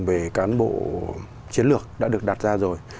về cán bộ chiến lược đã được đặt ra rồi